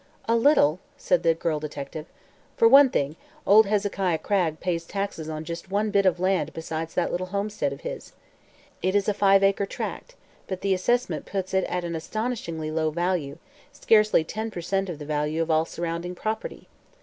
"A little," said the girl detective. "For one thing, old Hezekiah Cragg pays taxes on just one bit of land besides that little homestead of his. It is a five acre tract, but the assessment puts it at an astonishingly low valuation scarcely ten per cent of the value of all surrounding property.